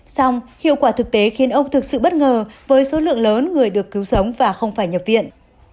xong hiệu quả thực tế khiến ông thực sự bất ngờ với số lượng lớn người được cứu sống và không phải nhập viện